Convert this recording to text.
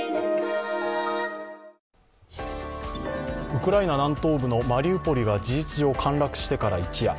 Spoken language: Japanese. ウクライナ南東部のマリウポリが事実上陥落してから一夜。